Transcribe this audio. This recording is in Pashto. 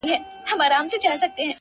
خدای مهربان دی خدای ساتلې له خمار کوڅه